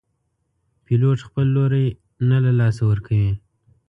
پیلوټ خپل لوری نه له لاسه ورکوي.